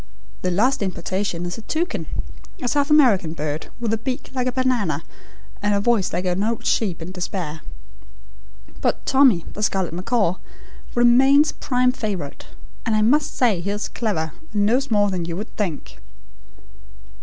The last importation is a toucan, a South American bird, with a beak like a banana, and a voice like an old sheep in despair. But Tommy, the scarlet macaw, remains prime favourite, and I must say he is clever and knows more than you would think."